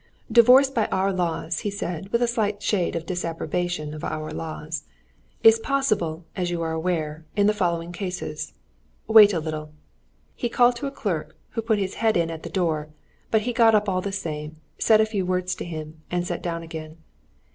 "Divorce by our laws," he said, with a slight shade of disapprobation of our laws, "is possible, as you are aware, in the following cases.... Wait a little!" he called to a clerk who put his head in at the door, but he got up all the same, said a few words to him, and sat down again.